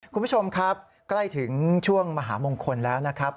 คุณผู้ชมครับใกล้ถึงช่วงมหามงคลแล้วนะครับ